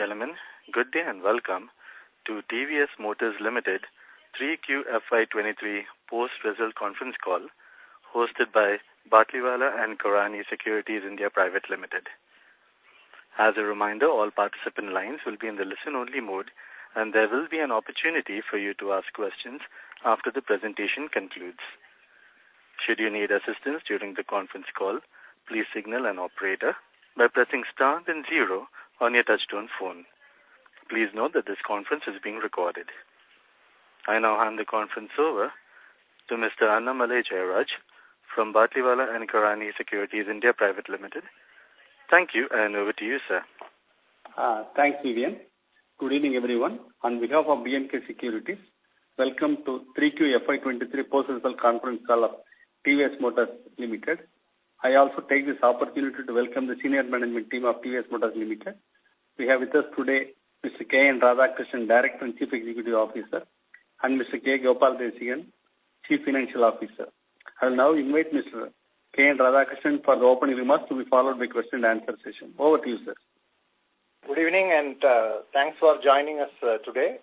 Gentlemen, good day, welcome to TVS Motor Company Limited 3Q FY 2023 post result conference call hosted by Batlivala & Karani Securities India Private Limited. As a reminder, all participant lines will be in the listen-only mode, there will be an opportunity for you to ask questions after the presentation concludes. Should you need assistance during the conference call, please signal an operator by pressing star then zero on your touchtone phone. Please note that this conference is being recorded. I now hand the conference over to Mr. Anish Rankawat from Batlivala & Karani Securities India Private Limited. Thank you, over to you, sir. Thanks, Vivian. Good evening, everyone. On behalf of B&K Securities, welcome to 3Q FY 2023 post result conference call of TVS Motor Limited. I also take this opportunity to welcome the senior management team of TVS Motor Limited. We have with us today Mr. K.N. Radhakrishnan, Director and Chief Executive Officer, and Mr. K. Gopalakrishnan, Chief Financial Officer. I will now invite Mr. K.N. Radhakrishnan for the opening remarks to be followed by question and answer session. Over to you, sir. Good evening, thanks for joining us today.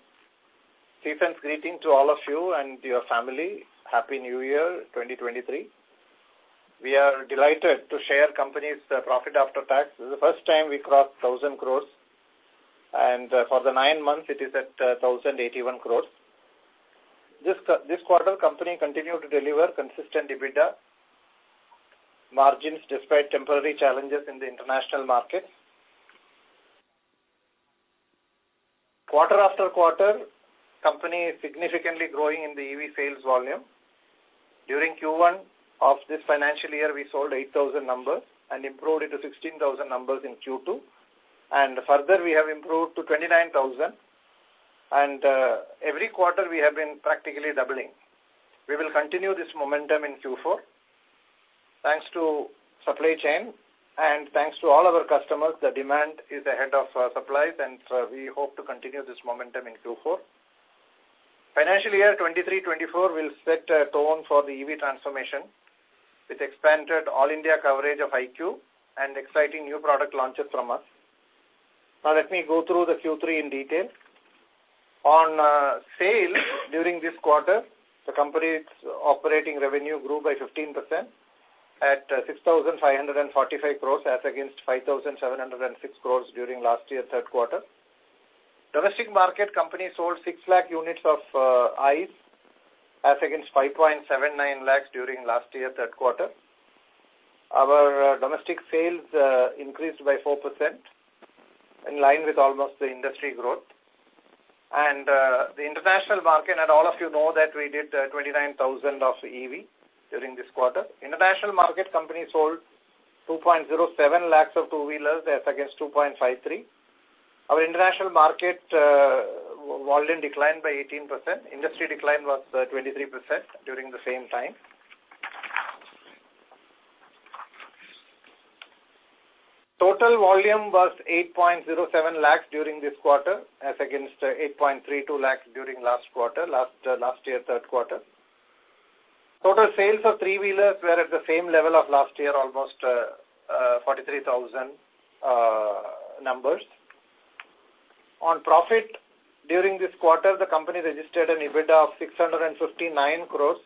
Season's greeting to all of you and your family. Happy New Year, 2023. We are delighted to share company's profit after tax. This is the first time we crossed 1,000 crore. For the nine months, it is at 1,081 crore. This quarter, company continued to deliver consistent EBITDA margins despite temporary challenges in the international markets. Quarter after quarter, company is significantly growing in the EV sales volume. During Q1 of this financial year, we sold 8,000 numbers and improved it to 16,000 numbers in Q2. Further, we have improved to 29,000. Every quarter, we have been practically doubling. We will continue this momentum in Q4. Thanks to supply chain and thanks to all our customers, the demand is ahead of supplies. We hope to continue this momentum in Q4. Financial year 2023-2024 will set a tone for the EV transformation. It expanded all India coverage of iQube and exciting new product launches from us. Let me go through the Q3 in detail. On sales during this quarter, the company's operating revenue grew by 15% at 6,545 crores as against 5,706 crores during last year third quarter. Domestic market, company sold 6 lakh units of ICE as against 5.79 lakhs during last year third quarter. Our domestic sales increased by 4% in line with almost the industry growth. The international market, and all of you know that we did 29,000 of EV during this quarter. International market, company sold 2.07 lakhs of two-wheelers as against 2.53 lakhs. Our international market volume declined by 18%. Industry decline was 23% during the same time. Total volume was 8.07 lakhs during this quarter as against 8.32 lakhs during last quarter, last year third quarter. Total sales of three-wheelers were at the same level of last year, almost 43,000 numbers. On profit, during this quarter, the company registered an EBITDA of 659 crores,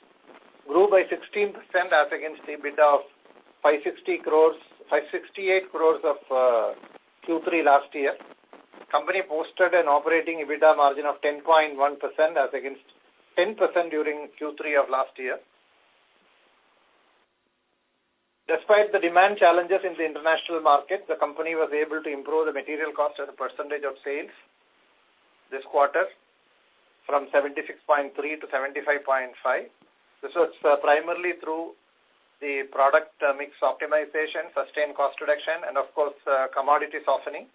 grew by 16% as against EBITDA of 560 crores, 568 crores of Q3 last year. Company posted an operating EBITDA margin of 10.1% as against 10% during Q3 of last year. Despite the demand challenges in the international market, the company was able to improve the material cost as a percentage of sales this quarter from 76.3% to 75.5%. This was primarily through the product mix optimization, sustained cost reduction and, of course, commodity softening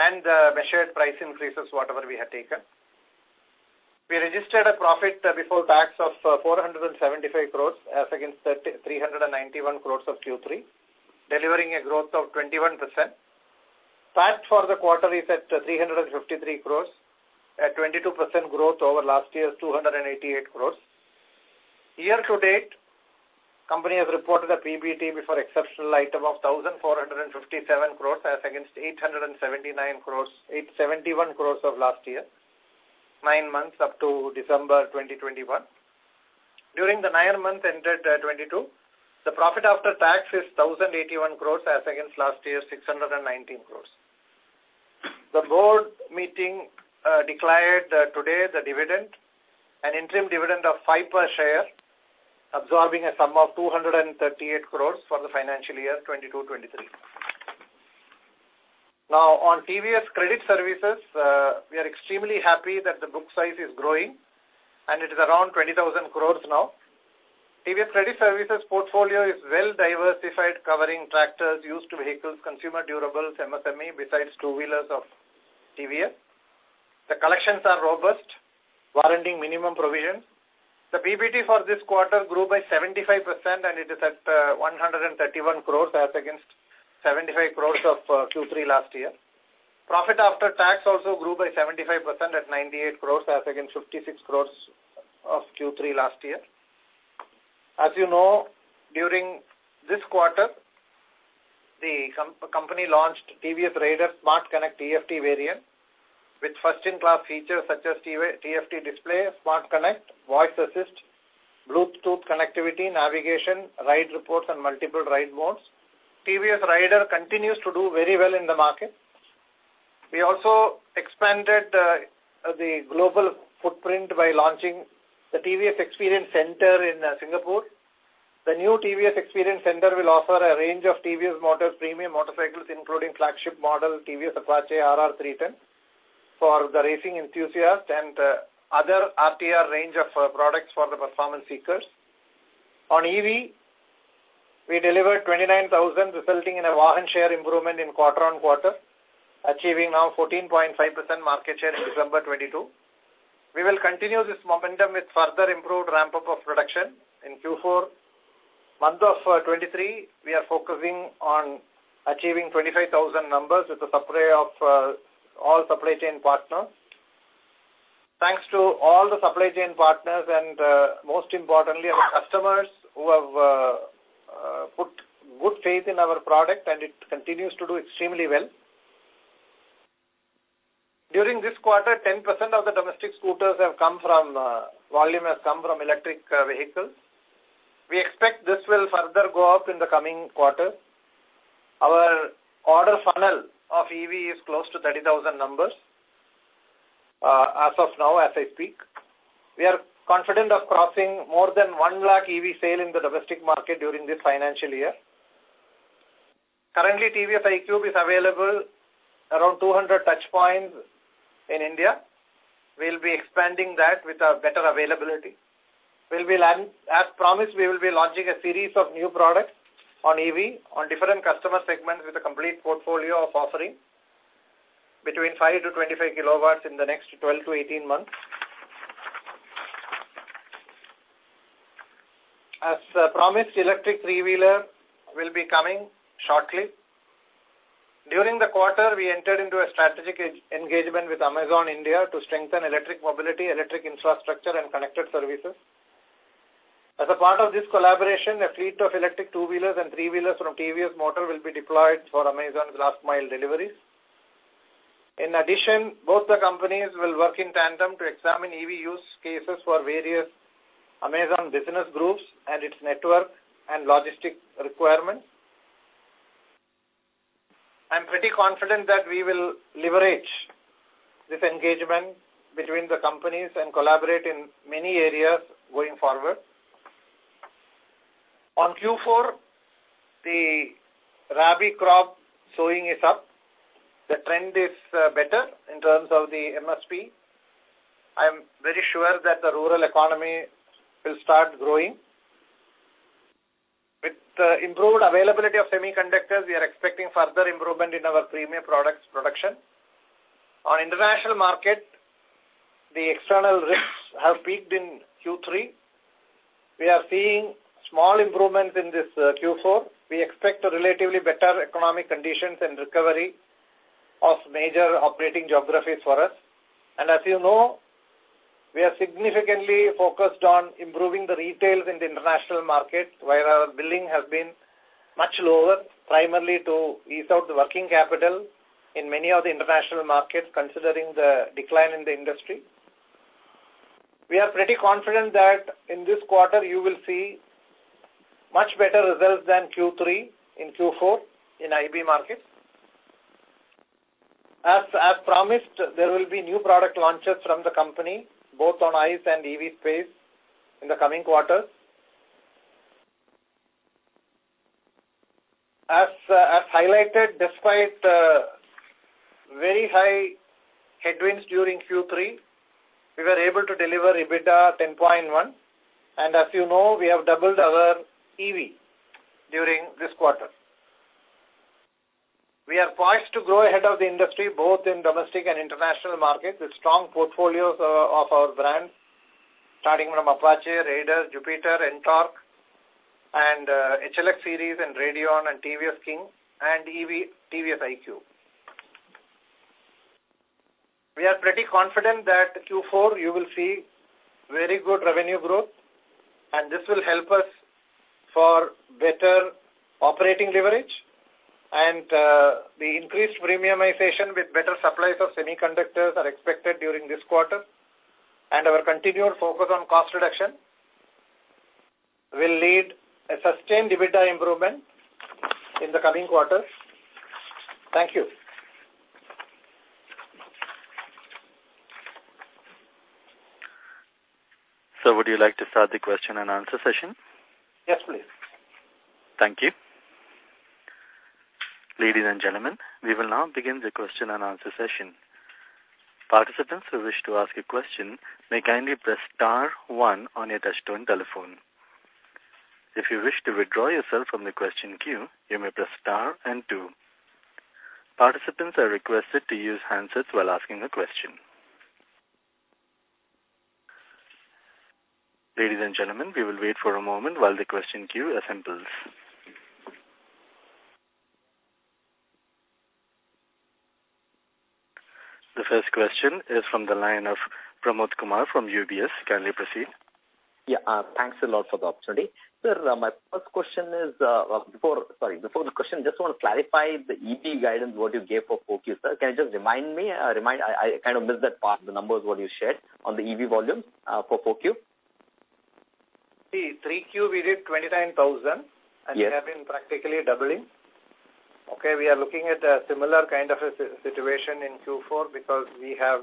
and measured price increases whatever we had taken. We registered a Profit before tax of 475 crores as against 391 crores of Q3, delivering a growth of 21%. Tax for the quarter is at 353 crores at 22% growth over last year's 288 crores. Year to date, company has reported a PBT before exceptional item of 1,457 crores as against 871 crores of last year, nine months up to December 2021. During the nine months ended 2022, the profit after tax is 1,081 crores as against last year's 619 crores. The board meeting declared today the dividend, an interim dividend of 5 per share, absorbing a sum of 238 crores for the financial year 2022-2023. On TVS Credit Services, we are extremely happy that the book size is growing, and it is around 20,000 crores now. TVS Credit Services portfolio is well diversified, covering tractors, used vehicles, consumer durables, MSME, besides two-wheelers of TVS. The collections are robust, warranting minimum provisions. The PBT for this quarter grew by 75%. It is at 131 crores as against 75 crores of Q3 last year. Profit after tax also grew by 75% at 98 crores as against 56 crores of Q3 last year. As you know, during this quarter, the company launched TVS Raider SmartXonnect TFT variant with first-in-class features such as TFT display, SmartXonnect, voice assist, Bluetooth connectivity, navigation, ride reports and multiple ride modes. TVS Raider continues to do very well in the market. We also expanded the global footprint by launching the TVS Experience Center in Singapore. The new TVS Experience Center will offer a range of TVS Motor's premium motorcycles, including flagship model, TVS Apache RR 310 for the racing enthusiast and other RTR range of products for the performance seekers. On EV, we delivered 29,000, resulting in a volume share improvement in quarter-on-quarter, achieving now 14.5% market share in December 2022. We will continue this momentum with further improved ramp-up of production in Q4. Month of 2023, we are focusing on achieving 25,000 numbers with the supply of all supply chain partners. Thanks to all the supply chain partners and most importantly, our customers who have put good faith in our product, and it continues to do extremely well. During this quarter, 10% of the domestic scooters have come from volume has come from electric vehicles. We expect this will further go up in the coming quarter. Our order funnel of EV is close to 30,000 numbers, as of now, as I speak. We are confident of crossing more than 1 lakh EV sale in the domestic market during this financial year. Currently, TVS iQube is available around 200 touchpoints in India. We'll be expanding that with a better availability. As promised, we will be launching a series of new products on EV on different customer segments with a complete portfolio of offering between five to 25 kilowatts in the next 12 to 18 months. As promised, electric three-wheeler will be coming shortly. During the quarter, we entered into a strategic engagement with Amazon India to strengthen electric mobility, electric infrastructure, and connected services. As a part of this collaboration, a fleet of electric two-wheelers and three-wheelers from TVS Motor will be deployed for Amazon's last mile deliveries. In addition, both the companies will work in tandem to examine EV use cases for various Amazon business groups and its network and logistic requirements. I'm pretty confident that we will leverage this engagement between the companies and collaborate in many areas going forward. On Q4, the rabi crop sowing is up. The trend is better in terms of the MSP. I am very sure that the rural economy will start growing. With the improved availability of semiconductors, we are expecting further improvement in our premium products production. On international market, the external risks have peaked in Q3. We are seeing small improvements in this Q4. We expect a relatively better economic conditions and recovery of major operating geographies for us. As you know, we are significantly focused on improving the retails in the international market, where our billing has been much lower, primarily to ease out the working capital in many of the international markets, considering the decline in the industry. We are pretty confident that in this quarter you will see much better results than Q3 in Q4 in IB markets. As promised, there will be new product launches from the company, both on ICE and EV space in the coming quarters. As highlighted, despite very high headwinds during Q3, we were able to deliver EBITDA 10.1%. As you know, we have doubled our EV during this quarter. We are poised to grow ahead of the industry, both in domestic and international markets, with strong portfolios of our brand, starting from Apache, Raider, Jupiter, NTORQ and HLX series and Radeon and TVS King and EV, TVS iQube. We are pretty confident that Q4 you will see very good revenue growth, and this will help us for better operating leverage. The increased premiumization with better supplies of semiconductors are expected during this quarter. Our continued focus on cost reduction will lead a sustained EBITDA improvement in the coming quarters. Thank you. Sir, would you like to start the question and answer session? Yes, please. Thank you. Ladies and gentlemen, we will now begin the question and answer session. Participants who wish to ask a question may kindly press star one on your touch-tone telephone. If you wish to withdraw yourself from the question queue, you may press star and two. Participants are requested to use handsets while asking a question. Ladies and gentlemen, we will wait for a moment while the question queue assembles. The first question is from the line of Pramod Kumar from UBS. Kindly proceed. Thanks a lot for the opportunity. Sir, my first question is, sorry, before the question, just want to clarify the EV guidance, what you gave for 4Q, sir? Can you just remind me? I kind of missed that part, the numbers what you shared on the EV volume, for 4Q. See, 3Q, we did 29,000. Yes. We have been practically doubling, okay. We are looking at a similar kind of a situation in Q4 because we have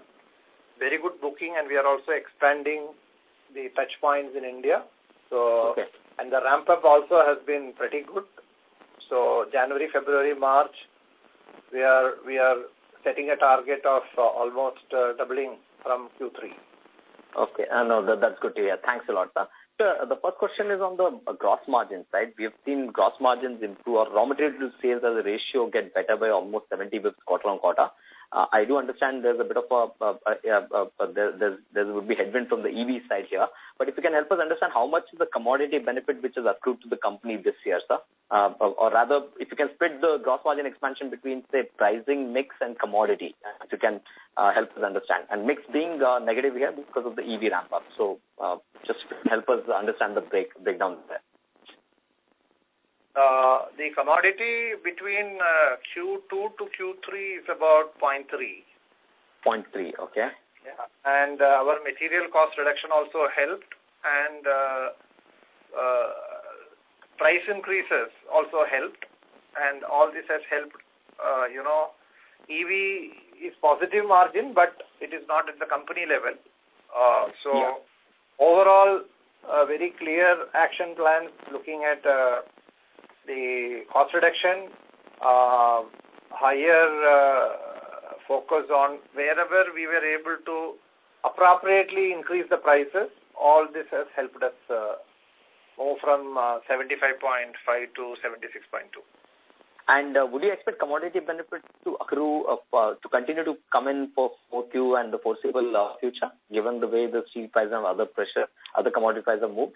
very good booking, and we are also expanding the touch points in India. Okay. The ramp-up also has been pretty good. So January, February, March, we are, we are setting a target of almost doubling from Q3. Okay. No, that's good to hear. Thanks a lot, sir. The first question is on the gross margins, right? We have seen gross margins improve. Our raw material sales as a ratio get better by almost 70 basis QOQ. I do understand there's a bit of a headwind from the EV side here. If you can help us understand how much is the commodity benefit which is accrued to the company this year, sir. Or rather, if you can split the gross margin expansion between, say, pricing mix and commodity, if you can help us understand. Mix being negative here because of the EV ramp up. Just help us understand the breakdown there. The commodity between Q2 to Q3 is about 0.3. 0.3, okay. Yeah. Our material cost reduction also helped. Price increases also helped. All this has helped, you know, EV is positive margin, but it is not at the company level. Yeah. Overall, a very clear action plan looking at the cost reduction, higher focus on wherever we were able to appropriately increase the prices. All this has helped us go from 75.5% to 76.2%. Would you expect commodity benefits to accrue to continue to come in for 4Q and the foreseeable future, given the way the steel price and other pressure, other commodity prices move?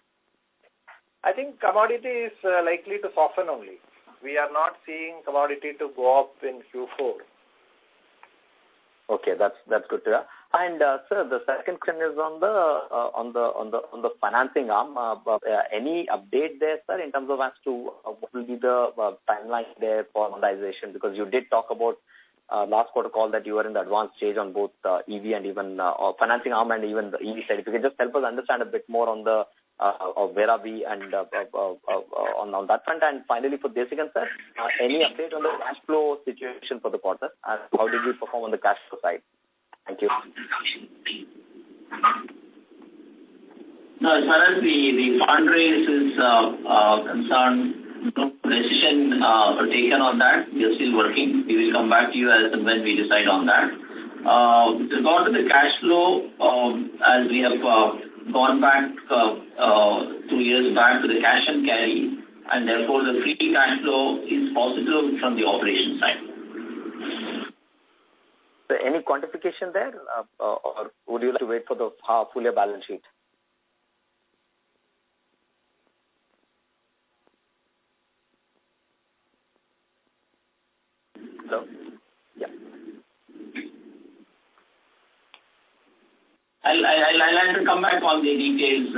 I think commodity is likely to soften only. We are not seeing commodity to go up in Q4. Okay. That's good to hear. The second question is on the financing arm. Any update there, sir, in terms of as to what will be the timeline there for monetization? Because you did talk about last quarter call that you were in the advanced stage on both EV and even or financing arm and even the EV side. If you can just help us understand a bit more on the of where are we and on that front. Finally for Desikan sir, any update on the cash flow situation for the quarter? How did you perform on the cash flow side? Thank you. No, as far as the fundraise is concerned, no decision taken on that. We are still working. We will come back to you as and when we decide on that. With regard to the cash flow, as we have gone back two years back to the cash and carry, and therefore the free cash flow is positive from the operation side. Any quantification there, or would you like to wait for the full year balance sheet? No. Yeah. I'll like to come back on the details,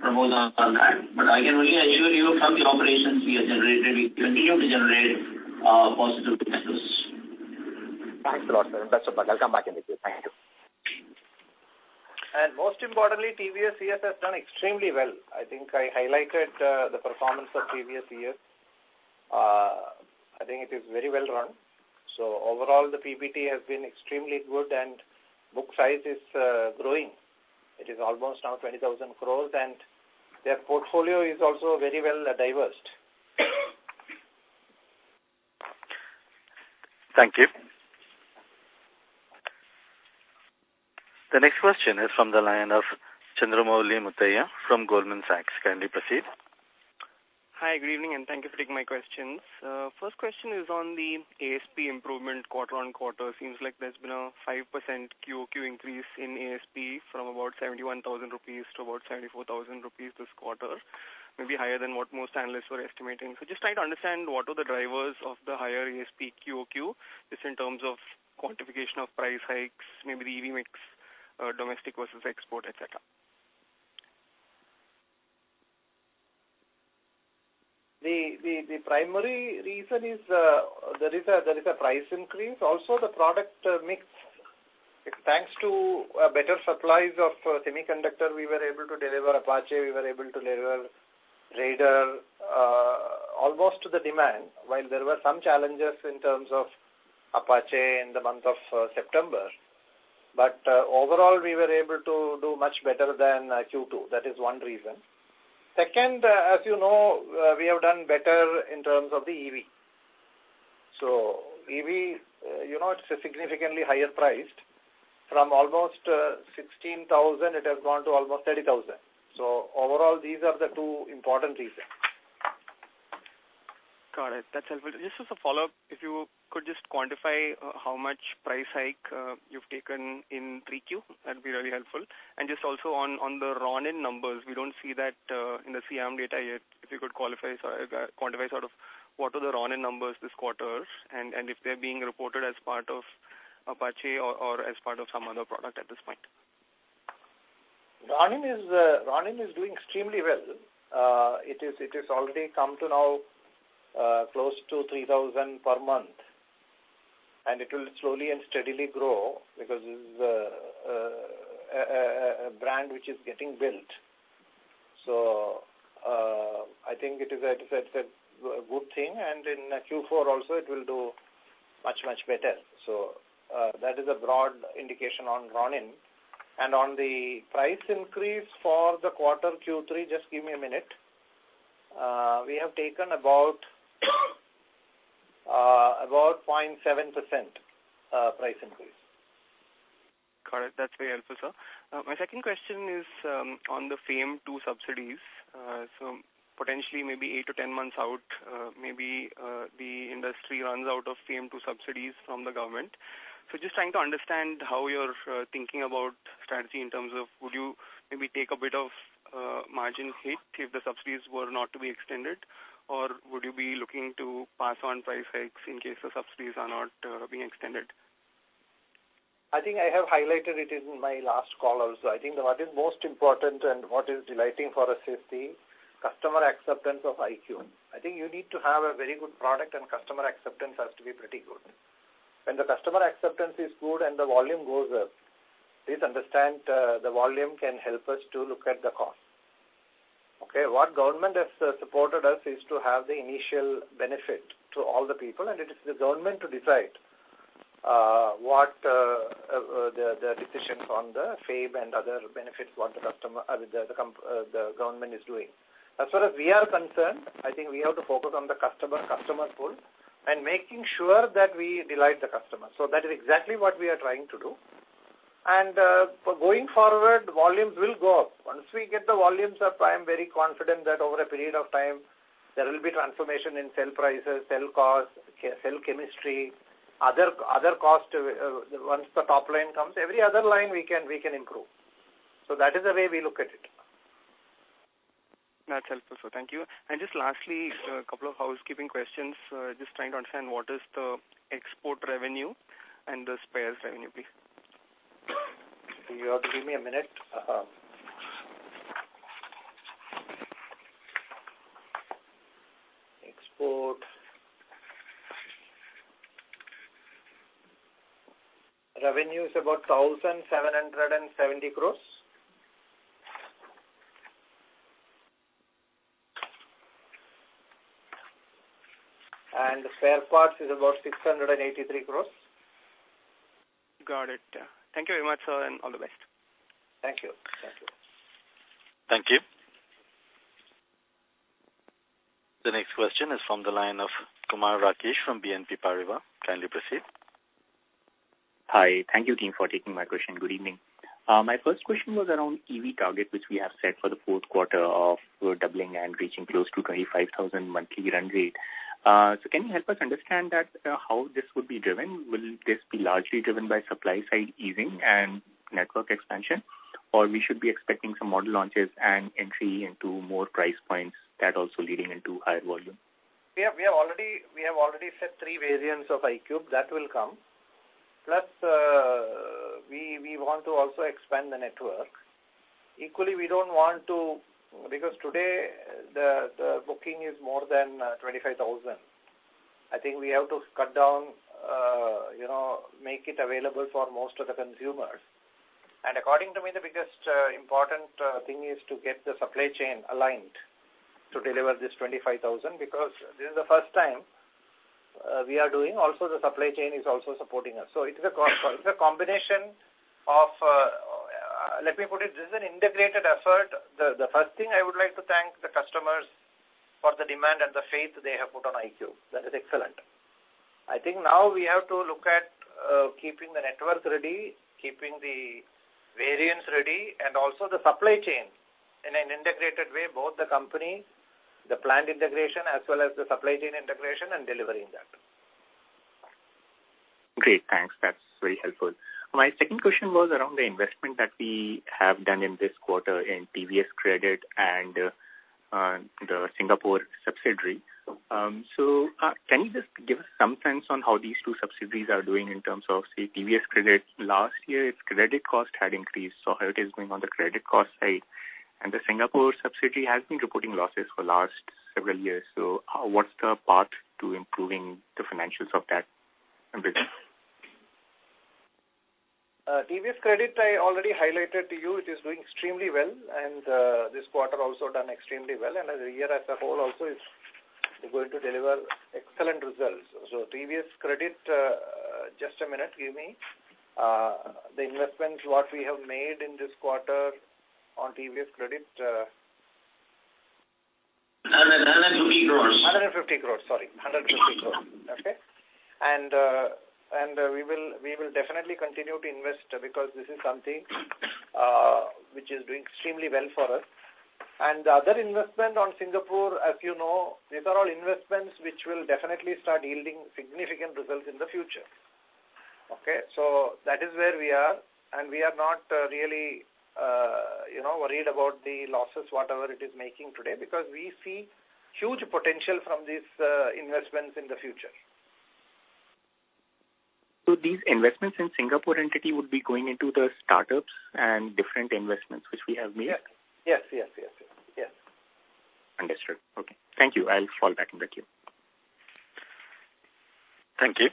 Pramod, on that. I can assure you from the operations we have generated, we continue to generate positive cash flows. Thanks a lot, sir. That's all right. I'll come back in the queue. Thank you. Most importantly, TVS ES has done extremely well. I think I highlighted the performance of TVS ES. I think it is very well run. Overall, the PBT has been extremely good and book size is growing. It is almost now 20,000 crores, and their portfolio is also very well diversified. Thank you. The next question is from the line of Chandramouli Muthiah from Goldman Sachs. Kindly proceed. Hi, good evening, thank you for taking my questions. First question is on the ASP improvement quarter-on-quarter. Seems like there's been a 5% QoQ increase in ASP from about 71,000 rupees to about 74,000 rupees this quarter. Maybe higher than what most analysts were estimating. Just trying to understand what are the drivers of the higher ASP QoQ, just in terms of quantification of price hikes, maybe the EV mix, domestic versus export, et cetera. The primary reason is there is a price increase. Also the product mix. Thanks to better supplies of semiconductor, we were able to deliver Apache, we were able to deliver Raider, almost to the demand, while there were some challenges in terms of Apache in the month of September. Overall, we were able to do much better than Q2. That is one reason. Second, as you know, we have done better in terms of the EV. EV, you know, it's a significantly higher priced. From almost 16,000, it has gone to almost 30,000. Overall, these are the two important reasons. Got it. That's helpful. Just as a follow-up, if you could just quantify how much price hike you've taken in 3Q, that'd be really helpful. Just also on the Ronin numbers, we don't see that in the CM data yet. If you could qualify, sorry, quantify sort of what are the Ronin numbers this quarter, and if they're being reported as part of Apache or as part of some other product at this point. Ronin is doing extremely well. It is already come to now, close to 3,000 per month, and it will slowly and steadily grow because this is a brand which is getting built. I think it is a good thing. In Q4 also it will do much, much better. That is a broad indication on Ronin. On the price increase for the quarter Q3, just give me a minute. We have taken about 0.7% price increase. Got it. That's very helpful, sir. My second question is on the FAME 2 subsidies. Potentially maybe eight to 10 months out, maybe the industry runs out of FAME 2 subsidies from the government. Just trying to understand how you're thinking about strategy in terms of would you maybe take a bit of margin hit if the subsidies were not to be extended, or would you be looking to pass on price hikes in case the subsidies are not being extended? I think I have highlighted it in my last call also. I think that what is most important and what is delighting for us is the customer acceptance of TVS iQube. I think you need to have a very good product and customer acceptance has to be pretty good. When the customer acceptance is good and the volume goes up, please understand, the volume can help us to look at the cost. Okay, what government has supported us is to have the initial benefit to all the people, and it is the government to decide what the decisions on the FAME and other benefits what the customer or the government is doing. As far as we are concerned, I think we have to focus on the customer pull, and making sure that we delight the customer. That is exactly what we are trying to do. For going forward, volumes will go up. Once we get the volumes up, I am very confident that over a period of time, there will be transformation in cell prices, cell costs, cell chemistry, other costs. Once the top line comes, every other line we can improve. That is the way we look at it. That's helpful, sir. Thank you. Just lastly, a couple of housekeeping questions. Just trying to understand what is the export revenue and the spares revenue, please. You have to give me a minute. Export revenue is about INR 1,770 crores. Spare parts is about 683 crores. Got it. Thank you very much, sir, and all the best. Thank you. Thank you. Thank you. The next question is from the line of Kumar Rakesh from BNP Paribas. Kindly proceed. Hi. Thank you, team, for taking my question. Good evening. My first question was around EV target, which we have set for the fourth quarter of we're doubling and reaching close to 25,000 monthly run rate. Can you help us understand that, how this would be driven? Will this be largely driven by supply side easing and network expansion? Or we should be expecting some model launches and entry into more price points that also leading into higher volume? We have already set three variants of iQube that will come. Plus, we want to also expand the network. Equally, we don't want to. Because today the booking is more than 25,000. I think we have to cut down, you know, make it available for most of the consumers. According to me, the biggest important thing is to get the supply chain aligned to deliver this 25,000, because this is the first time we are doing. The supply chain is also supporting us. It's a combination of, let me put it, this is an integrated effort. The first thing I would like to thank the customers for the demand and the faith they have put on iQube. That is excellent. I think now we have to look at, keeping the networks ready, keeping the variants ready, and also the supply chain in an integrated way, both the company, the plant integration, as well as the supply chain integration and delivering that. Great, thanks. That's very helpful. My second question was around the investment that we have done in this quarter in TVS Credit and the Singapore subsidiary. Can you just give us some sense on how these two subsidiaries are doing in terms of, say, TVS Credit? Last year, its credit cost had increased, how it is going on the credit cost side. The Singapore subsidiary has been reporting losses for last several years. What's the path to improving the financials of that investment? TVS Credit, I already highlighted to you, it is doing extremely well, and this quarter also done extremely well. As a year as a whole also is going to deliver excellent results. TVS Credit, just a minute, give me. The investment what we have made in this quarter on TVS Credit, INR 150 crores. INR 150 crores. Sorry. INR 150 crores. Okay? We will definitely continue to invest because this is something which is doing extremely well for us. The other investment on Singapore, as you know, these are all investments which will definitely start yielding significant results in the future. Okay? That is where we are. We are not really, you know, worried about the losses, whatever it is making today, because we see huge potential from these investments in the future. These investments in Singapore entity would be going into the startups and different investments which we have made? Yes. Yes. Understood. Okay. Thank you. I'll fall back in the queue. Thank you.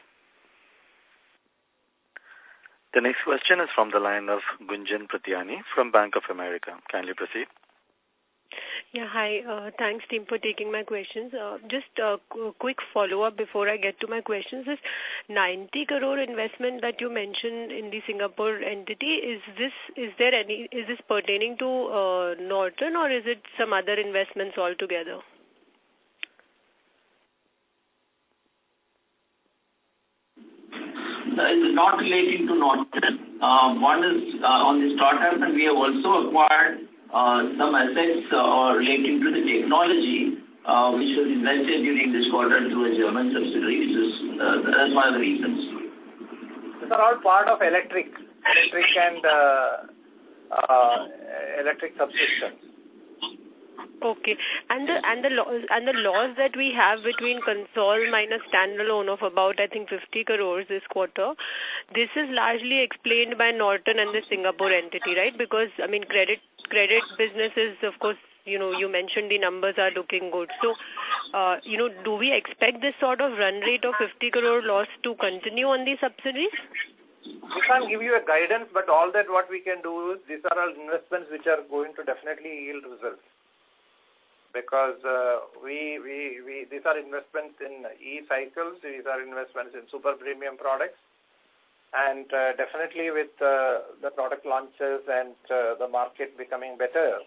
The next question is from the line of Gunjan Prithyani from Bank of America. Kindly proceed. Yeah, hi. Thanks team for taking my questions. Just a quick follow-up before I get to my questions. This 90 crore investment that you mentioned in the Singapore entity, is this pertaining to Norton or is it some other investments altogether? It's not relating to Norton. One is on the startups, we have also acquired some assets relating to the technology, which will be vetted during this quarter through a German subsidiary. This is that's one of the reasons. These are all part of electric and electric subsystems. Okay. The loss that we have between console minus standalone of about, I think, 50 crore this quarter, this is largely explained by Norton and the Singapore entity, right? Because, I mean, credit business is, of course, you know, you mentioned the numbers are looking good. You know, do we expect this sort of run rate of 50 crore loss to continue on the subsidiaries? We can't give you a guidance. All that what we can do is these are all investments which are going to definitely yield results. Because these are investments in e-cycles. These are investments in super premium products. Definitely with the product launches and the market becoming better,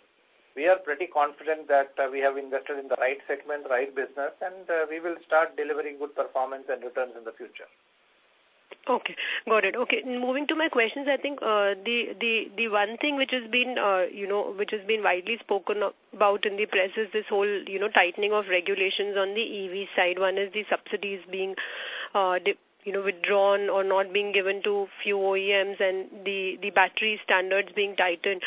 we are pretty confident that we have invested in the right segment, right business, and we will start delivering good performance and returns in the future. Okay. Got it. Okay. Moving to my questions, I think, the one thing which has been, you know, which has been widely spoken about in the press is this whole, you know, tightening of regulations on the EV side. One is the subsidies being, you know, withdrawn or not being given to few OEMs and the battery standards being tightened.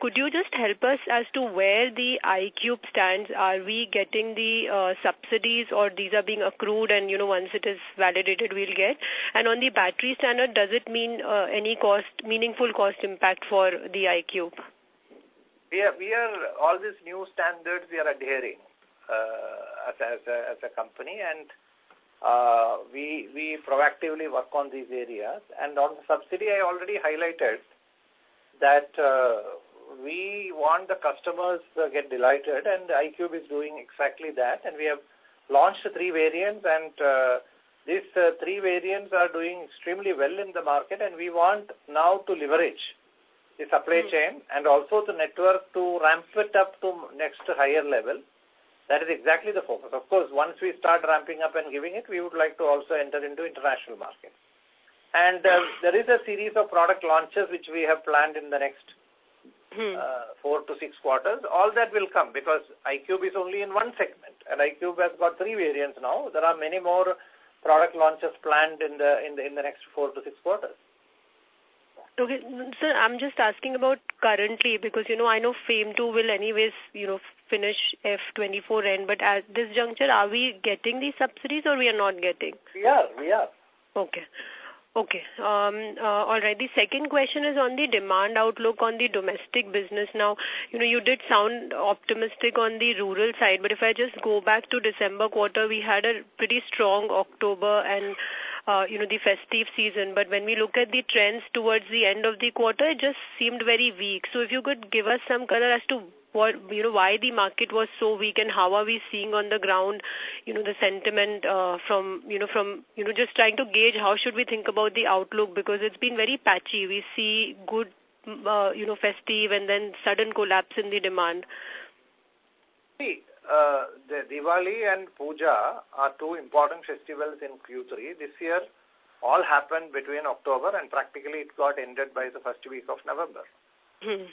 Could you just help us as to where the iQube stands? Are we getting the subsidies or these are being accrued and, you know, once it is validated, we'll get? On the battery standard, does it mean any cost, meaningful cost impact for the iQube? We are all these new standards we are adhering as a company and we proactively work on these areas. On subsidy, I already highlighted that we want the customers to get delighted, and iQube is doing exactly that. We have launched three variants, and these three variants are doing extremely well in the market and we want now to leverage the supply chain and also the network to ramp it up to next higher level. That is exactly the focus. Of course, once we start ramping up and giving it, we would like to also enter into international markets. There is a series of product launches which we have planned in the next. Mm. four to six quarters. All that will come because iQube is only in one segment, and iQube has got three variants now. There are many more product launches planned in the, in the, in the next four to six quarters. Okay. Sir, I'm just asking about currently because, you know, I know FAME 2 will anyways, you know, finish F 2024 end. At this juncture, are we getting the subsidies or we are not getting? We are. Okay. Okay. All right. The second question is on the demand outlook on the domestic business. Now, you know, you did sound optimistic on the rural side, if I just go back to December quarter, we had a pretty strong October and, you know, the festive season. When we look at the trends towards the end of the quarter, it just seemed very weak. If you could give us some color as to what, you know, why the market was so weak and how are we seeing on the ground, you know, the sentiment, from, you know, from... You know, just trying to gauge how should we think about the outlook because it's been very patchy. We see good, you know, festive and then sudden collapse in the demand. See, the Diwali and Puja are two important festivals in Q3. This year, all happened between October and practically it got ended by the first week of November. Mm.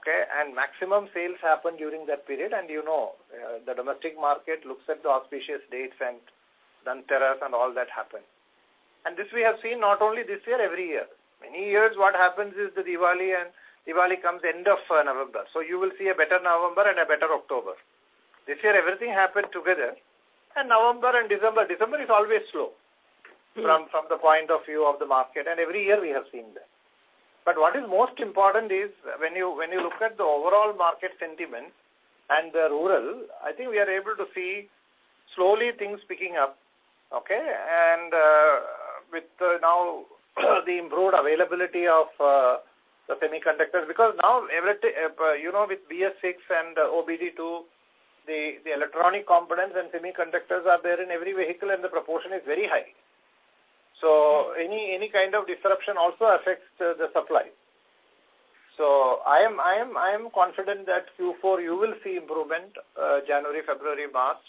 Okay? Maximum sales happened during that period. You know, the domestic market looks at the auspicious dates and then terrace and all that happen. This we have seen not only this year, every year. Many years what happens is the Diwali and Diwali comes end of November. You will see a better November and a better October. This year everything happened together. November and December is always slow- Mm. from the point of view of the market, and every year we have seen that. What is most important is when you, when you look at the overall market sentiment and the rural, I think we are able to see slowly things picking up, okay. With now the improved availability of the semiconductors. Now you know, with BS-VI and OBD II, the electronic components and semiconductors are there in every vehicle and the proportion is very high. Any kind of disruption also affects the supply. I am confident that Q4 you will see improvement, January, February, March,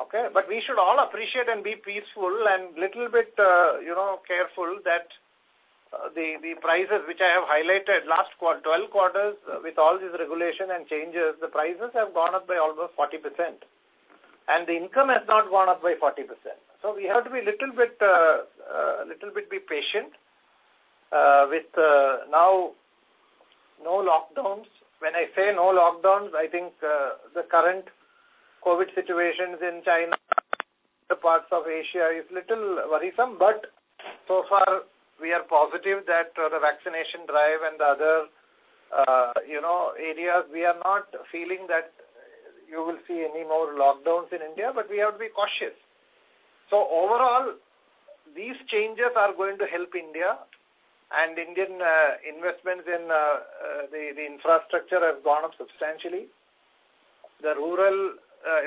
okay. We should all appreciate and be peaceful and little bit, you know, careful that the prices which I have highlighted last 12 quarters with all these regulation and changes, the prices have gone up by almost 40%. The income has not gone up by 40%. We have to be little bit, little bit be patient with No lockdowns. When I say no lockdowns, I think the current COVID situations in China, other parts of Asia is little worrisome, but so far we are positive that the vaccination drive and the other, you know, areas, we are not feeling that you will see any more lockdowns in India, but we have to be cautious. Overall, these changes are going to help India and Indian investments in the infrastructure have gone up substantially. The rural,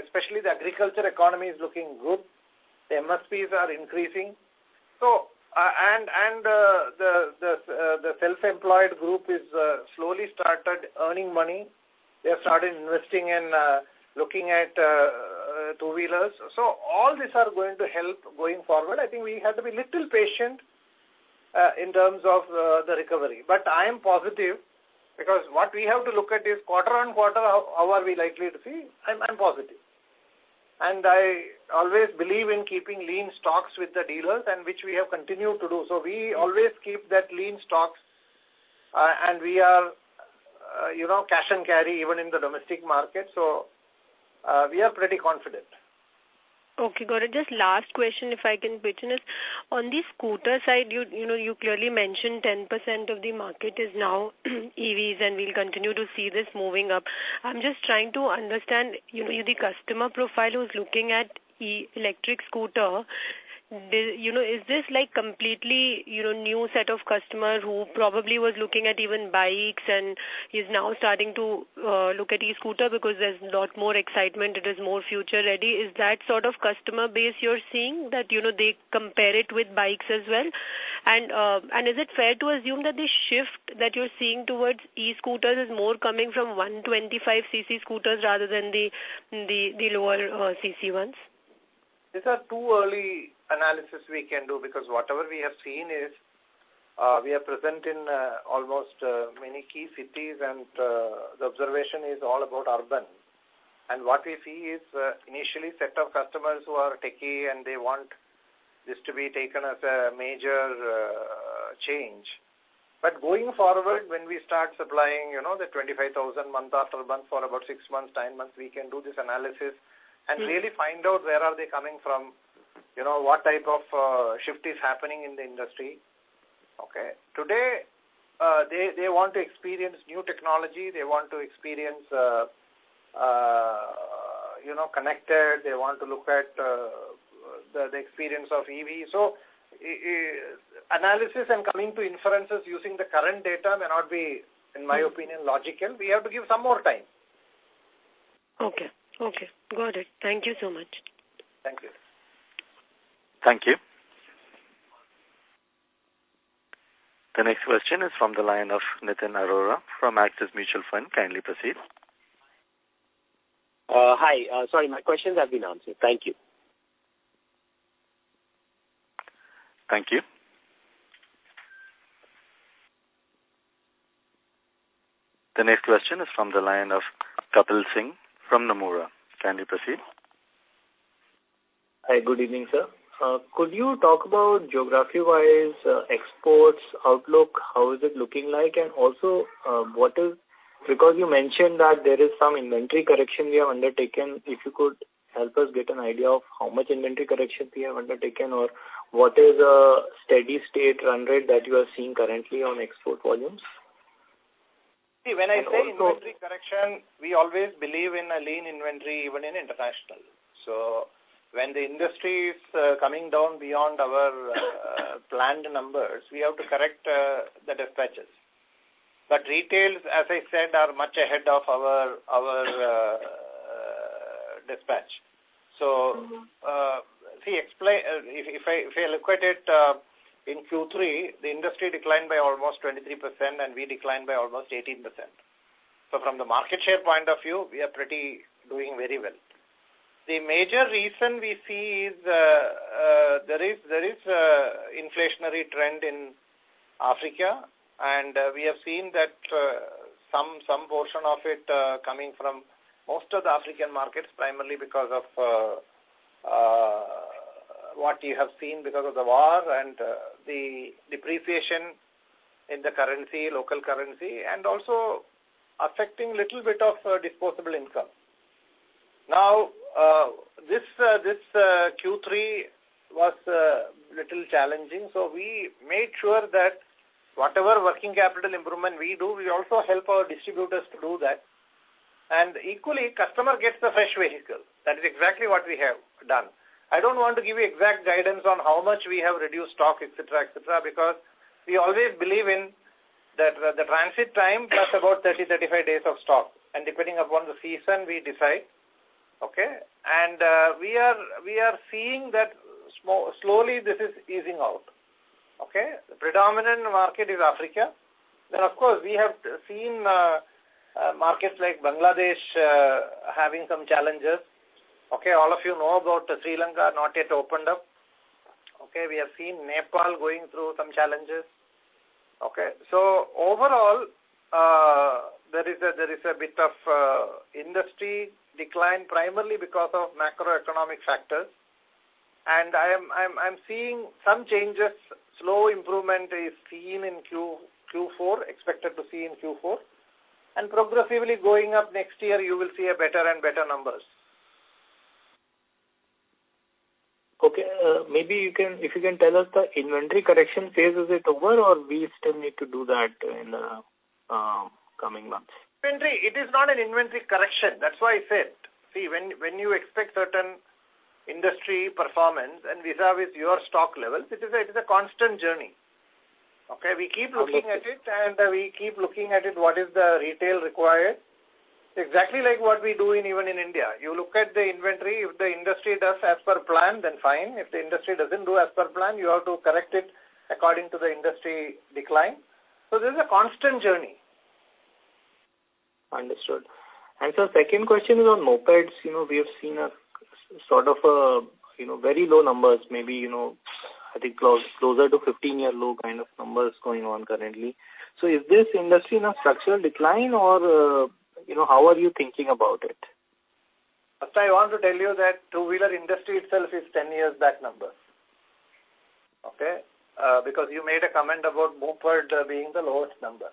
especially the agriculture economy is looking good. The MSPs are increasing. The self-employed group is slowly started earning money. They have started investing in looking at two-wheelers. All these are going to help going forward. I think we have to be little patient in terms of the recovery. I am positive because what we have to look at is quarter-on-quarter, how are we likely to see? I'm positive. I always believe in keeping lean stocks with the dealers and which we have continued to do. We always keep that lean stocks, and we are, you know, cash and carry even in the domestic market. We are pretty confident. Okay, got it. Just last question, if I can pitch in, is on the scooter side, you know, you clearly mentioned 10% of the market is now EVs, and we'll continue to see this moving up. I'm just trying to understand, you know, the customer profile who's looking at electric scooter. You know, is this like completely, you know, new set of customers who probably was looking at even bikes and is now starting to look at e-scooter because there's a lot more excitement, it is more future ready? Is that sort of customer base you're seeing that, you know, they compare it with bikes as well? Is it fair to assume that the shift that you're seeing towards e-scooters is more coming from 125cc scooters rather than the lower cc ones? These are too early analysis we can do because whatever we have seen is, we are present in almost many key cities and the observation is all about urban. What we see is, initially set of customers who are techie and they want this to be taken as a major change. Going forward, when we start supplying, you know, the 25,000 month after month for about six months, 10 months, we can do this analysis and really find out where are they coming from, you know, what type of shift is happening in the industry. Okay? Today, they want to experience new technology. They want to experience, you know, connected. They want to look at the experience of EV. Analysis and coming to inferences using the current data may not be, in my opinion, logical. We have to give some more time. Okay. Okay. Got it. Thank you so much. Thank you. Thank you. The next question is from the line of Nitin Arora from Axis Mutual Fund. Kindly proceed. Hi. Sorry, my question has been answered. Thank you. Thank you. The next question is from the line of Kapil Singh from Nomura. Kindly proceed. Hi, good evening, sir. Could you talk about geography-wise exports outlook, how is it looking like? Also, because you mentioned that there is some inventory correction you have undertaken, if you could help us get an idea of how much inventory corrections you have undertaken or what is steady state run rate that you are seeing currently on export volumes. See, when I say inventory correction, we always believe in a lean inventory even in international. When the industry is coming down beyond our planned numbers, we have to correct the dispatches. Retails, as I said, are much ahead of our dispatch. Mm-hmm. See, explain, if I look at it, in Q3, the industry declined by almost 23% and we declined by almost 18%. From the market share point of view, we are pretty doing very well. The major reason we see is, there is an inflationary trend in Africa, and we have seen that some portion of it, coming from most of the African markets, primarily because of what you have seen because of the war and the depreciation in the currency, local currency, and also affecting little bit of disposable income. Now, this Q3 was little challenging, so we made sure that whatever working capital improvement we do, we also help our distributors to do that. Equally, customer gets the fresh vehicle. That is exactly what we have done. I don't want to give you exact guidance on how much we have reduced stock, etc., because we always believe in the transit time plus about 30-35 days of stock. Depending upon the season, we decide. Okay? We are seeing that slowly this is easing out. Okay? The predominant market is Africa. Of course, we have seen markets like Bangladesh having some challenges. Okay? All of you know about Sri Lanka not yet opened up. Okay? We have seen Nepal going through some challenges. Okay? Overall, there is a bit of industry decline primarily because of macroeconomic factors. I am seeing some changes. Slow improvement is seen in Q4, expected to see in Q4. Progressively going up next year, you will see a better and better numbers. Maybe you can, if you can tell us the inventory correction phase, is it over or we still need to do that in coming months? Inventory, it is not an inventory correction. That's why I said. See, when you expect certain industry performance and vis-a-vis your stock levels, it is a constant journey. Okay? Understood. We keep looking at it, and we keep looking at it, what is the retail required. Exactly like what we do in even in India. You look at the inventory. If the industry does as per plan, then fine. If the industry doesn't do as per plan, you have to correct it according to the industry decline. This is a constant journey. Understood. Second question is on mopeds. You know, we have seen a sort of a, you know, very low numbers, maybe, you know, I think closer to 15-year low kind of numbers going on currently. Is this industry in a structural decline or, you know, how are you thinking about it? First, I want to tell you that two-wheeler industry itself is 10 years back number. Okay? Because you made a comment about moped, being the lowest number.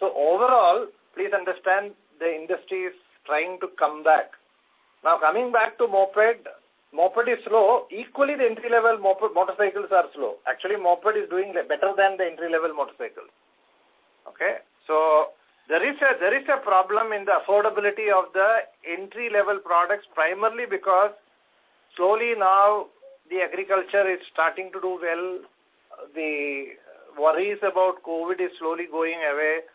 Overall, please understand the industry is trying to come back. Now, coming back to moped is slow. Equally, the entry-level motorcycles are slow. Actually, moped is doing better than the entry-level motorcycles. Okay? There is a problem in the affordability of the entry-level products, primarily because slowly now the agriculture is starting to do well. The worries about COVID is slowly going away.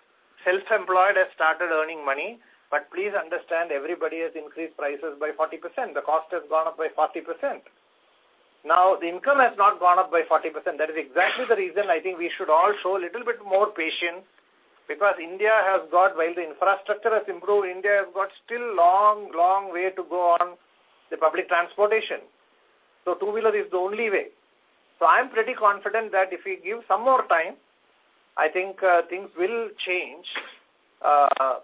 Self-employed has started earning money. Please understand, everybody has increased prices by 40%. The cost has gone up by 40%. Now, the income has not gone up by 40%. That is exactly the reason I think we should all show a little bit more patience, because India has got, while the infrastructure has improved, India has got still long, long way to go on the public transportation. Two-wheeler is the only way. I am pretty confident that if we give some more time, I think, things will change.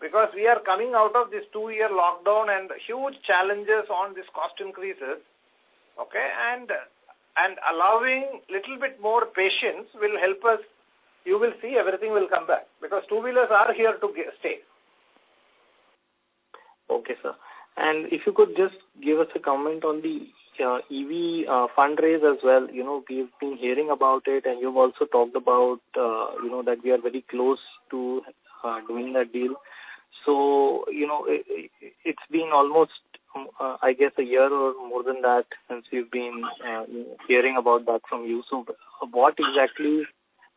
Because we are coming out of this two-year lockdown and huge challenges on these cost increases, okay? Allowing little bit more patience will help us. You will see everything will come back, because two-wheelers are here to stay. Okay, sir. If you could just give us a comment on the EV fundraise as well. You know, we've been hearing about it, and you've also talked about, you know, that we are very close to doing that deal. You know, it's been almost, I guess, a year or more than that since we've been hearing about that from you. What exactly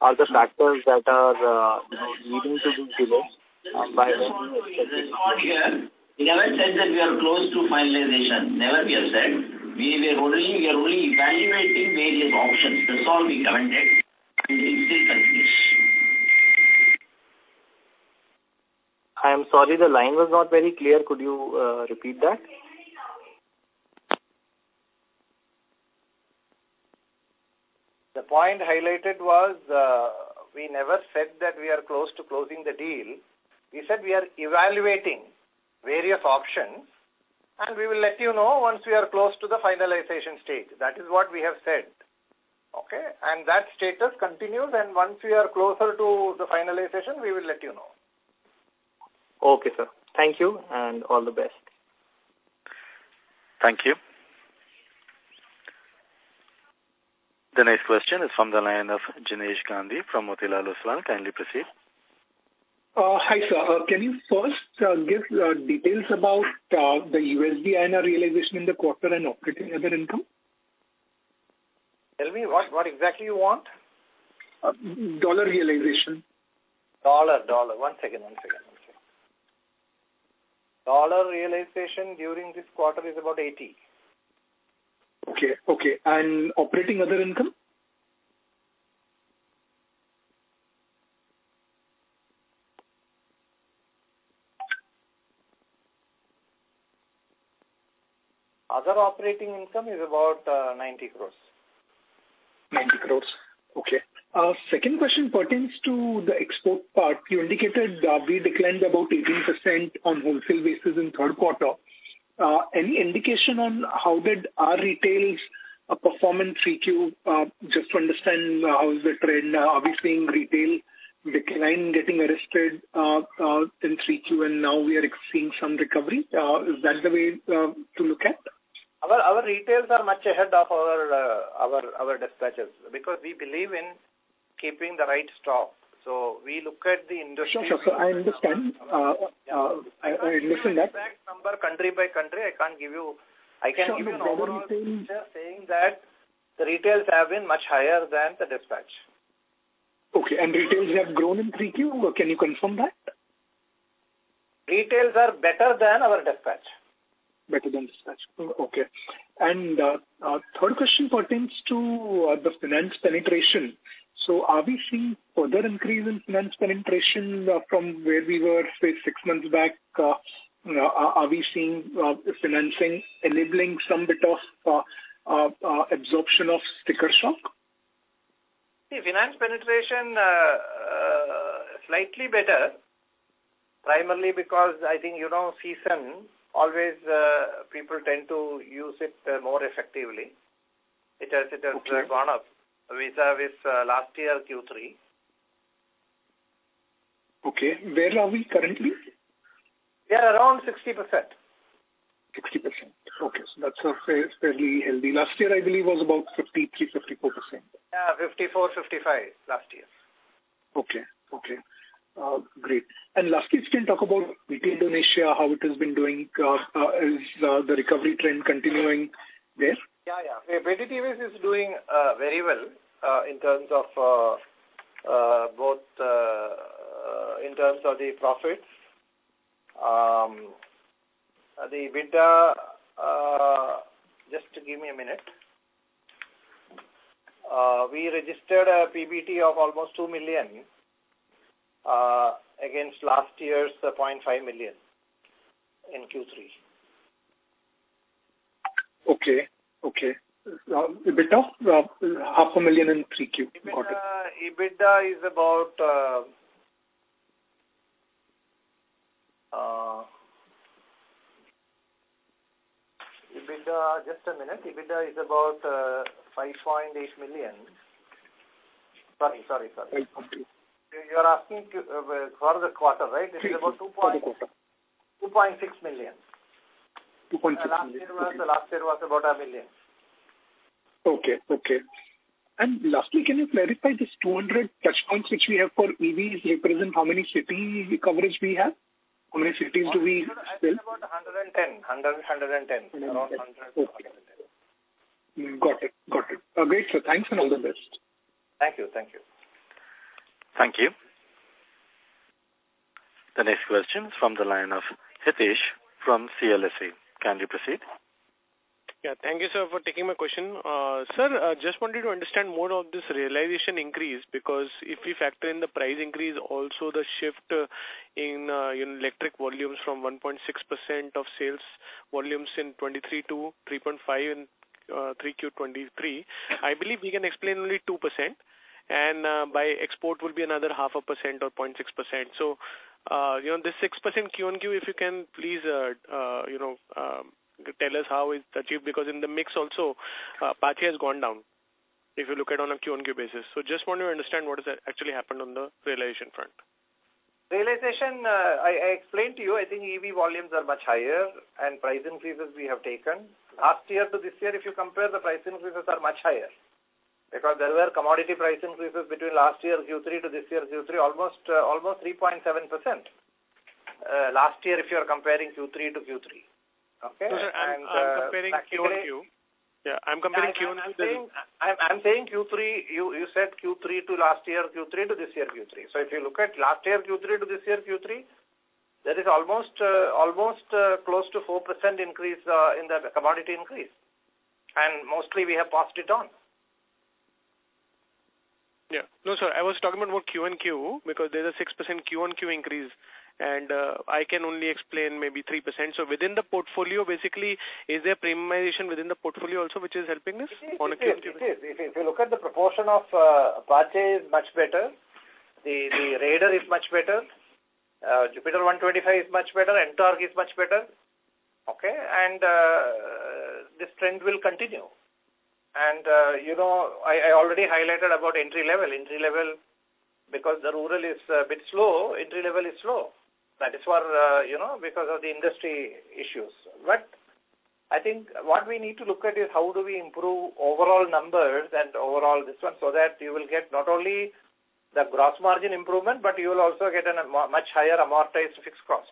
are the factors that are, you know, leading to this delay? We never said that we are close to finalization. Never we have said. We were only, we are only evaluating various options. That's all we commented, and it still continues. I am sorry. The line was not very clear. Could you repeat that? The point highlighted was, we never said that we are close to closing the deal. We said we are evaluating various options, and we will let you know once we are close to the finalization stage. That is what we have said. Okay? That status continues, and once we are closer to the finalization, we will let you know. Okay, sir. Thank you, and all the best. Thank you. The next question is from the line of Jinesh Gandhi from Motilal Oswal. Kindly proceed. Hi, sir. Can you first give details about the USD INR realization in the quarter and operating other income? Tell me what exactly you want. Dollar realization. Dollar. One second. Dollar realization during this quarter is about $80. Okay. Okay. Operating other income? Other operating income is about, 90 crores. 90 crores. Okay. Second question pertains to the export part. You indicated, we declined about 18% on wholesale basis in third quarter. Any indication on how did our retails perform in 3Q? Just to understand, how is the trend, are we seeing retail decline getting arrested in 3Q and now we are seeing some recovery? Is that the way to look at? Our retails are much ahead of our dispatches because we believe in keeping the right stock. We look at the industry- Sure. I understand. I understand that. Exact number country by country, I can't give you. I can give you. Sure, overall retail.... saying that the retails have been much higher than the dispatch. Okay. retails have grown in 3Q? Can you confirm that? Retails are better than our dispatch. Better than dispatch. Okay. Third question pertains to the finance penetration. Are we seeing further increase in finance penetration from where we were, say, six months back? You know, are we seeing financing enabling some bit of absorption of sticker shock? Finance penetration, slightly better primarily because I think, you know, season always, people tend to use it, more effectively. It has gone up vis-a-vis, last year Q3. Okay. Where are we currently? We are around 60%. 60%. Okay. That's fairly healthy. Last year, I believe, was about 53%, 54%. 54%, 55% last year. Okay. Okay. Great. Lastly, just can talk about PT Indonesia, how it has been doing. Is the recovery trend continuing there? Yeah, yeah. PT is doing very well in terms of both in terms of the profits. The EBITDA, just give me a minute. We registered a PBT of almost $2 million against last year's $0.5 million in Q3. Okay. Okay. Now EBITDA, half a million in 3Q. Got it. EBITDA is about, EBITDA, just a minute. EBITDA is about, 5.8 million. Sorry. Okay. You're asking well, for the quarter, right? Yes. It is about two point. For the quarter. INR 2.6 million. Last year was about INR 1 million. Okay. Okay. Lastly, can you clarify this 200 touchpoints which we have for EVs represent how many city coverage we have? How many cities do we still- Actually about 110. 100, 110. Around 110. Got it. Got it. great, sir. Thanks, and all the best. Thank you. Thank you. Thank you. The next question is from the line of Hitesh from CLSA. Can you proceed? Yeah. Thank you, sir, for taking my question. Sir, I just wanted to understand more of this realization increase, because if we factor in the price increase, also the shift in electric volumes from 1.6% of sales volumes in 2023 to 3.5% in 3Q 2023, I believe we can explain only 2%, and by export will be another half a percent or 0.6%. You know, this 6% QOQ, if you can please, you know, tell us how is that you... Because in the mix also, Patra has gone down, if you look at on a QOQ basis. Just want to understand what has actually happened on the realization front. Realization, I explained to you, I think EV volumes are much higher and price increases we have taken. Last year to this year, if you compare, the price increases are much higher because there were commodity price increases between last year's Q3 to this year's Q3, almost 3.7%. Last year if you are comparing Q3 to Q3. Okay? No, sir. I'm comparing QOQ. Yeah, I'm comparing QOQ. I'm saying Q3, you said Q3 to last year Q3 to this year Q3. If you look at last year Q3 to this year Q3, there is almost close to 4% increase in the commodity increase. Mostly we have passed it on. Yeah. No, sir, I was talking about QoQ because there's a 6% QoQ increase and I can only explain maybe 3%. Within the portfolio, basically, is there premiumization within the portfolio also which is helping this on a QoQ? It is. It is. If you look at the proportion of Apache is much better. The Raider is much better. Jupiter 125 is much better. NTORQ is much better. Okay. This trend will continue. You know, I already highlighted about entry level. Entry level, because the rural is a bit slow, entry level is slow. That is for, you know, because of the industry issues. I think what we need to look at is how do we improve overall numbers and overall this one, so that you will get not only the gross margin improvement, but you will also get a much higher amortized fixed cost.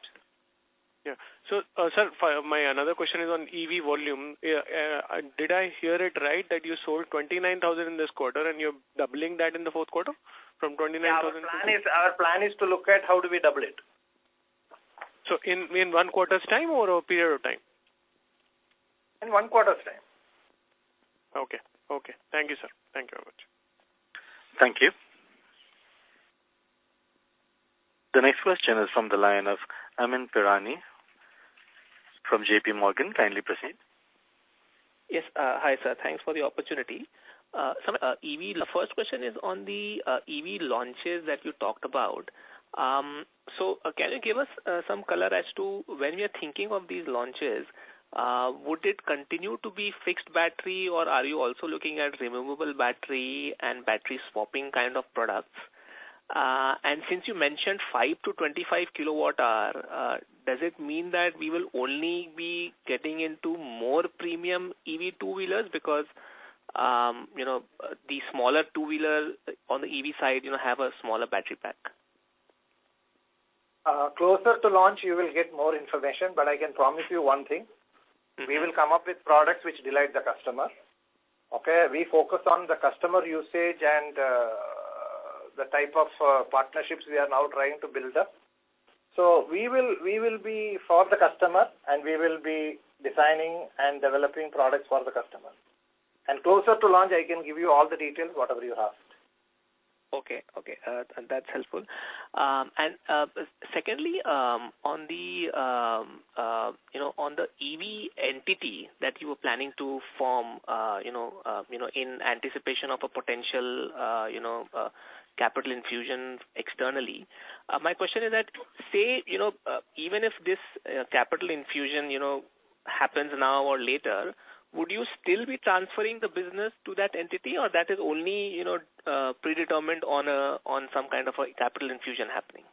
Yeah. sir, for my another question is on EV volume. did I hear it right that you sold 29,000 in this quarter and you're doubling that in the fourth quarter from 29,000? Our plan is to look at how do we double it. In one quarter's time or a period of time? In one quarter's time. Okay. Okay. Thank you, sir. Thank you very much. Thank you. The next question is from the line of Amyn Pirani from JPMorgan. Kindly proceed. Yes. Hi, sir. Thanks for the opportunity. Some EV. The first question is on the EV launches that you talked about. So, can you give us some color as to when you're thinking of these launches, would it continue to be fixed battery, or are you also looking at removable battery and battery swapping kind of products? Since you mentioned 5-25 kilowatt hour, does it mean that we will only be getting into more premium EV two-wheelers? Because, you know, the smaller two-wheeler on the EV side, you know, have a smaller battery pack. Closer to launch you will get more information. I can promise you one thing. We will come up with products which delight the customer. Okay? We focus on the customer usage and the type of partnerships we are now trying to build up. We will, we will be for the customer, and we will be designing and developing products for the customer. Closer to launch, I can give you all the details, whatever you asked. Okay, okay. That's helpful. Secondly, on the, you know, on the EV entity that you were planning to form, you know, in anticipation of a potential, you know, capital infusion externally. My question is that, say, you know, even if this capital infusion, you know, happens now or later, would you still be transferring the business to that entity or that is only, you know, predetermined on some kind of a capital infusion happening?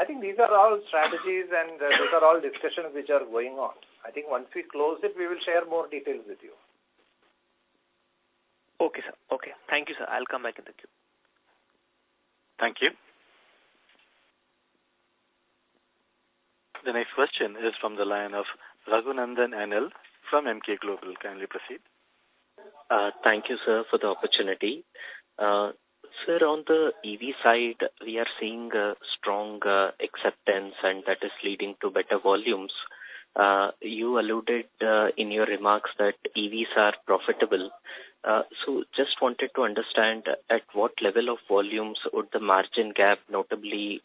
I think these are all strategies and those are all discussions which are going on. I think once we close it, we will share more details with you. Okay, sir. Okay. Thank you, sir. I'll come back in the queue. Thank you. The next question is from the line of Raghunandhan N L from Emkay Global. Kindly proceed. Thank you, sir, for the opportunity. Sir, on the EV side, we are seeing a strong acceptance, and that is leading to better volumes. You alluded in your remarks that EVs are profitable. Just wanted to understand, at what level of volumes would the margin gap notably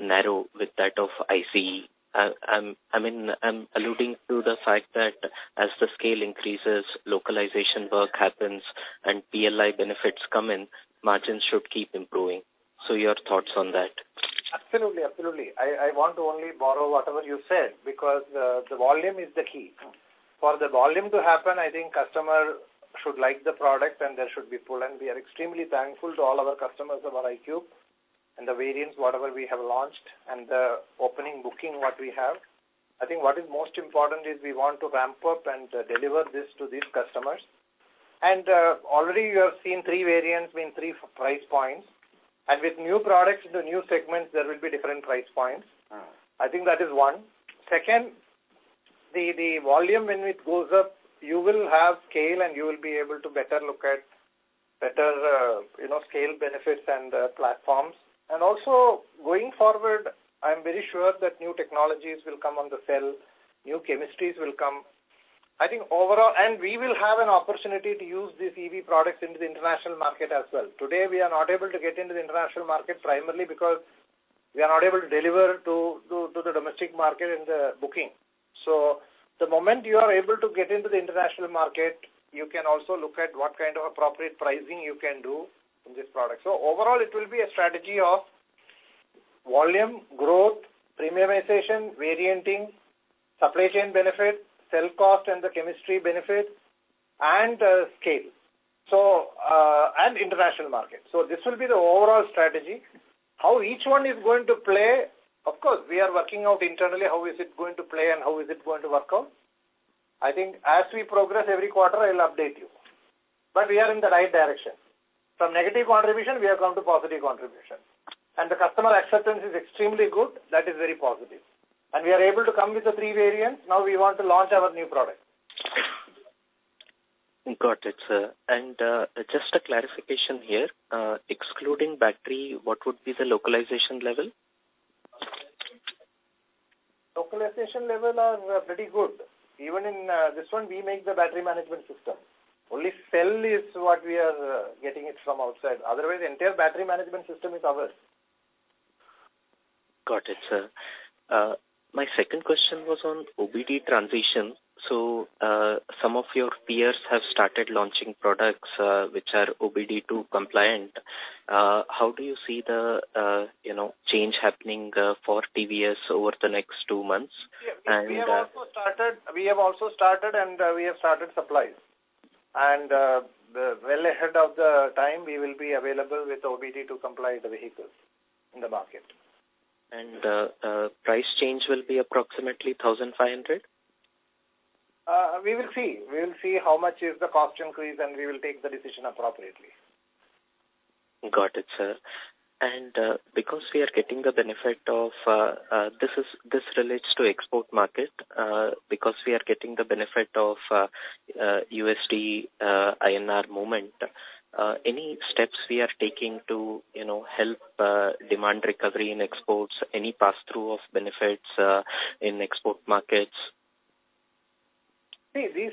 narrow with that of ICE? I mean, I'm alluding to the fact that as the scale increases, localization work happens and PLI benefits come in, margins should keep improving. Your thoughts on that. Absolutely. I want to only borrow whatever you said because the volume is the key. For the volume to happen, I think customer should like the product and there should be pull, and we are extremely thankful to all our customers of our iQube and the variants, whatever we have launched and the opening booking what we have. I think what is most important is we want to ramp up and deliver this to these customers. Already you have seen three variants mean three price points. With new products into new segments, there will be different price points. Mm. I think that is one. Second, the volume when it goes up, you will have scale and you will be able to better look at better, you know, scale benefits and platforms. Also going forward, I'm very sure that new technologies will come on the cell, new chemistries will come. I think overall. We will have an opportunity to use these EV products in the international market as well. Today, we are not able to get into the international market primarily because we are not able to deliver to the domestic market in the booking. The moment you are able to get into the international market, you can also look at what kind of appropriate pricing you can do in this product. Overall, it will be a strategy of volume, growth, premiumization, varianting, supply chain benefit, cell cost and the chemistry benefits, and scale. International market. This will be the overall strategy. How each one is going to play, of course, we are working out internally, how is it going to play and how is it going to work out. I think as we progress every quarter, I'll update you. We are in the right direction. From negative contribution, we have come to positive contribution. The customer acceptance is extremely good. That is very positive. We are able to come with the three variants. Now we want to launch our new product. Got it, sir. Just a clarification here. Excluding battery, what would be the localization level? Localization level are pretty good. Even in this one, we make the battery management system. Only cell is what we are getting it from outside. Otherwise, entire battery management system is ours. Got it, sir. My second question was on OBD transition. Some of your peers have started launching products, which are OBD II compliant. How do you see the, you know, change happening, for TVS over the next two months? We have also started and, we have started supplies. Well ahead of the time, we will be available with OBD to comply the vehicles in the market. price change will be approximately 1,500? We will see. We will see how much is the cost increase, and we will take the decision appropriately. Got it, sir. Because we are getting the benefit of this relates to export market, because we are getting the benefit of USD, INR movement. Any steps we are taking to, you know, help demand recovery in exports? Any pass-through of benefits in export markets? See, these,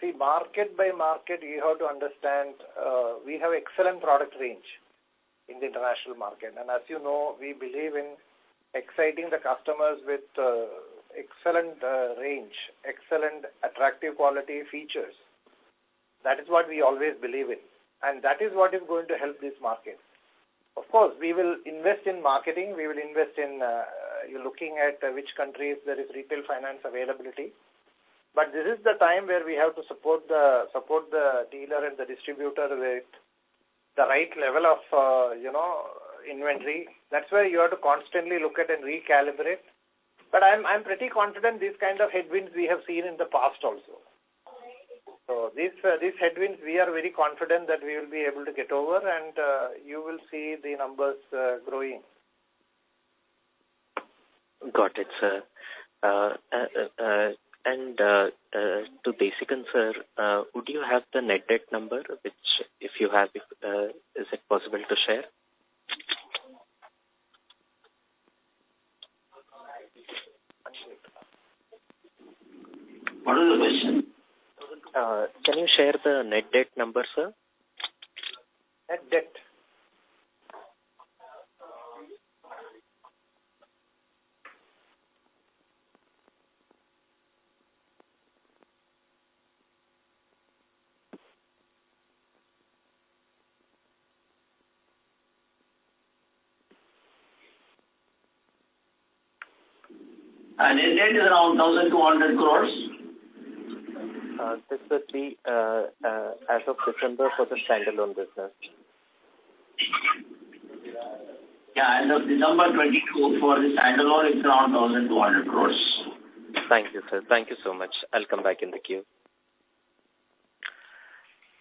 see, market by market, you have to understand, we have excellent product range in the international market. As you know, we believe in exciting the customers with excellent range, excellent attractive quality features. That is what we always believe in. That is what is going to help this market. Of course, we will invest in marketing. We will invest in, you're looking at which countries there is retail finance availability. This is the time where we have to support the dealer and the distributor with the right level of, you know, inventory. That's where you have to constantly look at and recalibrate. I'm pretty confident these kind of headwinds we have seen in the past also. These headwinds, we are very confident that we will be able to get over and, you will see the numbers, growing. Got it, sir. To Desikan, sir, would you have the net debt number? Which if you have, is it possible to share? What is the question? Can you share the net debt number, sir? Net debt. Net debt is around 1,200 crores. This would be, as of December for the standalone business. Yeah. As of December 2022 for the standalone, it's around 1,200 crores. Thank you, sir. Thank you so much. I'll come back in the queue.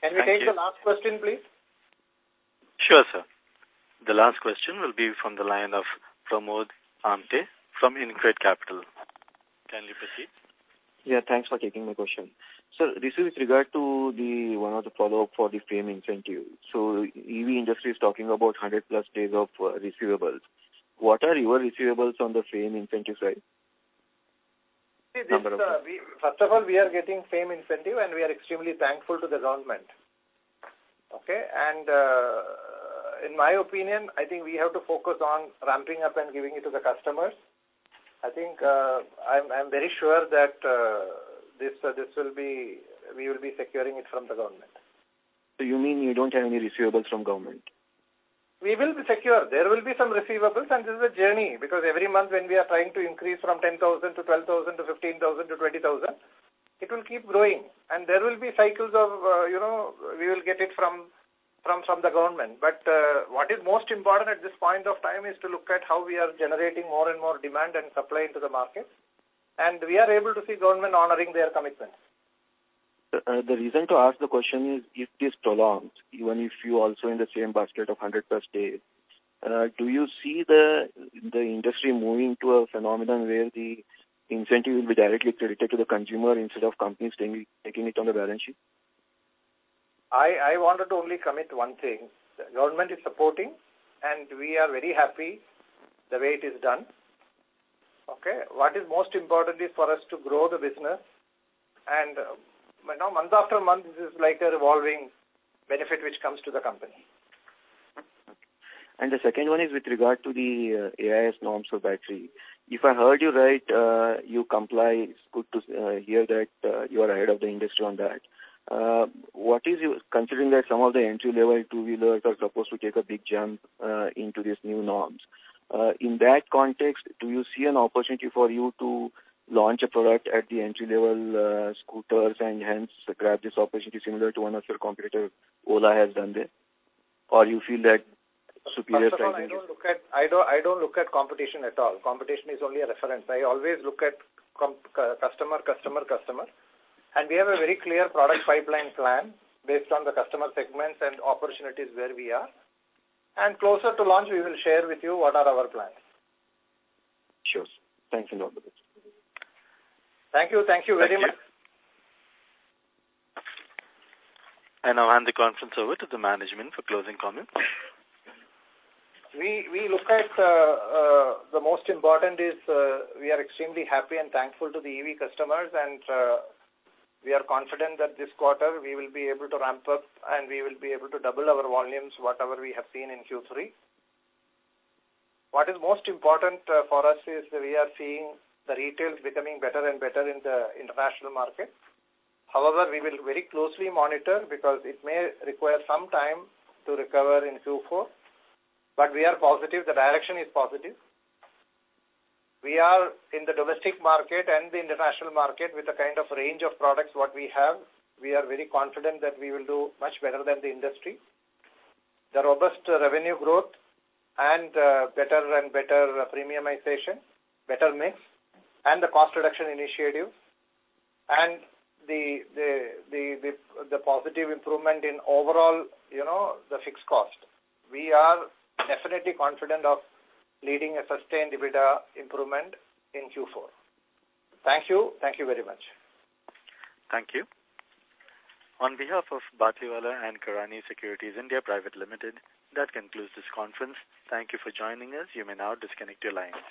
Can we take the last question, please? Sure, sir. The last question will be from the line of Pramod Amthe from InCred Capital. Kindly proceed. Yeah, thanks for taking my question. This is with regard to the one of the follow-up for the FAME incentive. EV industry is talking about 100 plus days of receivables. What are your receivables on the FAME incentive side? See, this, first of all, we are getting FAME incentive. We are extremely thankful to the government. Okay. In my opinion, I think we have to focus on ramping up and giving it to the customers. I think, I'm very sure that, this will be we will be securing it from the government. You mean you don't have any receivables from government? We will be secure. There will be some receivables. This is a journey because every month when we are trying to increase from 10,000 to 12,000 to 15,000 to 20,000, it will keep growing. There will be cycles of, you know, we will get it from the government. What is most important at this point of time is to look at how we are generating more and more demand and supply into the market, and we are able to see government honoring their commitments. The reason to ask the question is, if this prolongs, even if you also in the same basket of 100+ days, do you see the industry moving to a phenomenon where the incentive will be directly credited to the consumer instead of companies taking it on the balance sheet? I wanted to only commit one thing. The government is supporting, and we are very happy the way it is done. Okay? What is most important is for us to grow the business and, you know, month after month, this is like a revolving benefit which comes to the company. The second one is with regard to the AIS norms for battery. If I heard you right, you comply. It's good to hear that you are ahead of the industry on that. Considering that some of the entry-level two-wheelers are supposed to take a big jump into these new norms, in that context, do you see an opportunity for you to launch a product at the entry-level scooters and hence grab this opportunity similar to one of your competitor, Ola, has done there? Or you feel that superior technology- First of all, I don't look at. I don't look at competition at all. Competition is only a reference. I always look at customer, customer. We have a very clear product pipeline plan based on the customer segments and opportunities where we are. Closer to launch, we will share with you what are our plans. Sure. Thanks a lot. Thank you. Thank you very much. I now hand the conference over to the management for closing comments. We look at the most important is, we are extremely happy and thankful to the EV customers, and we are confident that this quarter we will be able to ramp up, and we will be able to double our volumes, whatever we have seen in Q3. What is most important for us is we are seeing the retails becoming better and better in the international market. However, we will very closely monitor because it may require some time to recover in Q4, but we are positive. The direction is positive. We are in the domestic market and the international market with a kind of range of products, what we have, we are very confident that we will do much better than the industry. The robust revenue growth, better and better premiumization, better mix, the cost reduction initiative, and the positive improvement in overall, you know, the fixed cost. We are definitely confident of leading a sustained EBITDA improvement in Q4. Thank you. Thank you very much. Thank you. On behalf of Batlivala & Karani Securities India Private Limited, that concludes this conference. Thank you for joining us. You may now disconnect your lines.